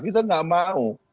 kita tidak mau